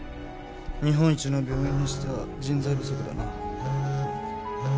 日本一の病院にしては人材不足だな。